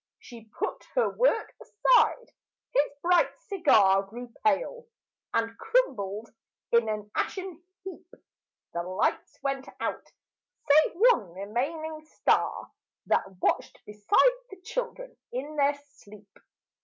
She put her work aside; his bright cigar Grew pale, and crumbled in an ashen heap. The lights went out, save one remaining star That watched beside the children in their sleep.